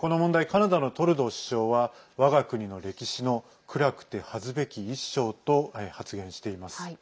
カナダのトルドー首相はわが国の歴史の暗くて恥ずべき一章と発言しています。